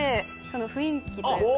雰囲気というか。